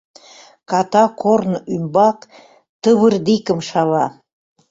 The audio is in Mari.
Ката корнӱмбак тывырдикым шава.